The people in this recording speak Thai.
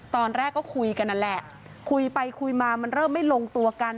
ตอนแรกก็คุยกันนั่นแหละคุยไปคุยมามันเริ่มไม่ลงตัวกัน